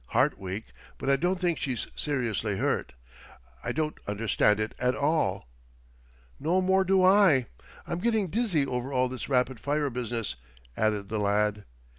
Heart weak, but I don't think she's seriously hurt. I don't understand it at all." "No more do I. I'm getting dizzy over all this rapid fire business," added the lad.